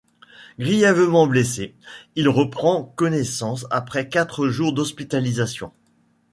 Grièvement blessé, il reprend connaissance après quatre jours d'hospitalisation.